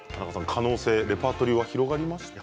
可能性、レパートリー広がりましたか？